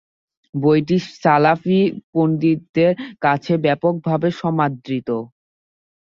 বইটি সালাফি পণ্ডিতদের কাছে ব্যাপকভাবে সমাদৃত।